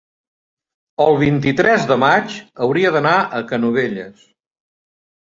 el vint-i-tres de maig hauria d'anar a Canovelles.